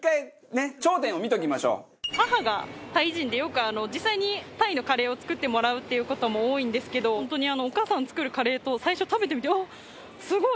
母がタイ人でよく実際にタイのカレーを作ってもらうっていう事も多いんですけど本当にお母さんが作るカレーと最初食べてみてあっすごい！